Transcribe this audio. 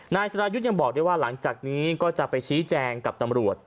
นายสรายุทธ์ยังบอกได้ว่าหลังจากนี้ก็จะไปชี้แจงกับตำรวจ